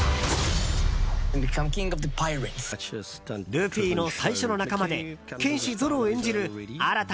ルフィの最初の仲間で剣士、ゾロを演じる新田